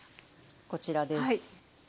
こちらです。